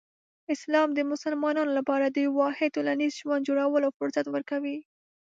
اسلام د مسلمانانو لپاره د یو واحد ټولنیز ژوند جوړولو فرصت ورکوي.